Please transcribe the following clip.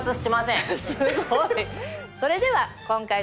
すごい！